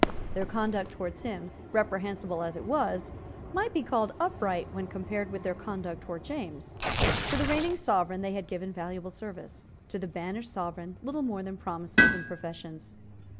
Their conduct towards him, reprehensible as it was, might be called upright when compared with their conduct towards James. To the reigning Sovereign they had given valuable service; to the banished Sovereign little more than promises and professions.